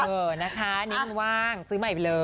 เออนะคะอันนี้มันว่างซื้อใหม่ไปเลย